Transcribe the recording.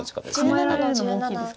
構えられるのも大きいですか。